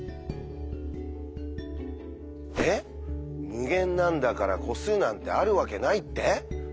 「無限なんだから個数なんてあるわけない」って？